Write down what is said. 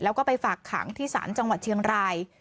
แล้วก็ไปฝากขังที่ศาลจังหวัดเชียงราย